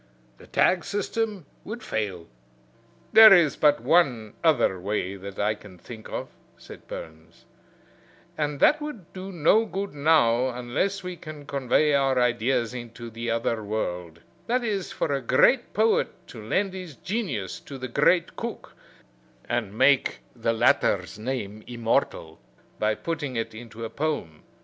The tag system would fail." "There is but one other way that I can think of," said Burns, "and that would do no good now unless we can convey our ideas into the other world; that is, for a great poet to lend his genius to the great cook, and make the latter's name immortal by putting it into a poem.